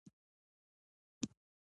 خېرت خو به وي په دا چارپايي کې څوک دي?